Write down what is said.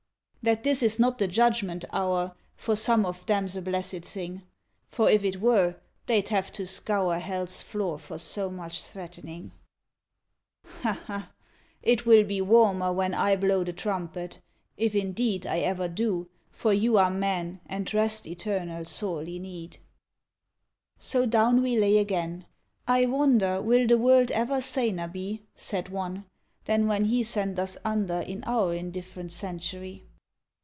"That this is not the judgment hour For some of them's a blessed thing, For if it were they'd have to scour Hell's floor for so much threatening ... "Ha, ha. It will be warmer when I blow the trumpet (if indeed I ever do; for you are men, And rest eternal sorely need)." So down we lay again. "I wonder, Will the world ever saner be," Said one, "than when He sent us under In our indifferent century!"